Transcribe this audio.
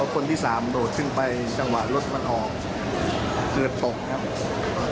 คนที่สามโดดขึ้นไปจังหวะรถมันออกเกือบตกครับ